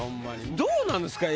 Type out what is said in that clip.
どうなんですか？